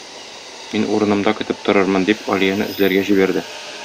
Мин урынымда көтеп торырмын, - дип Алияне эзләргә җибәрде.